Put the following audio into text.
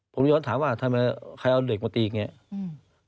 ผมย้อนถามว่าทำไมใครเอาเด็กมาตีอย่างนี้